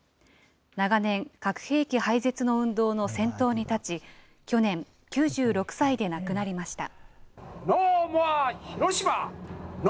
長年、核兵器廃絶の運動の先頭に立ち、去年、９６歳で亡くなりました。